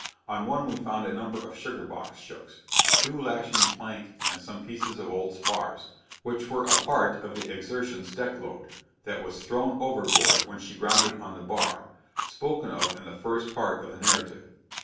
On one we found a number of sugar box shooks, two lashing plank and some pieces of old spars, which were a part of the Exertion's deck load, that was thrown overboard when she grounded on the bar, spoken of in the first part of the narrative.